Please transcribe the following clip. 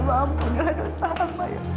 maaf pak ibu salah pak